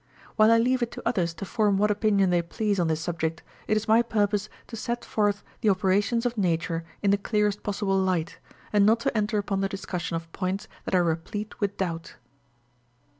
While I leave it to others to form what opinion they please on this subject, it is my purpose to set forth the operations of Nature in the clearest possible light, and not to enter upon the discussion of points that are replete with doubt.